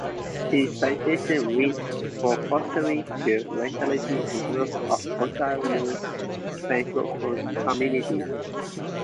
His citation reads, for fostering the vitality and growth of Ontario's francophone community.